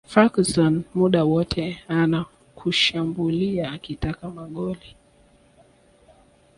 Ferguson muda wote anakushambulia akitaka magoli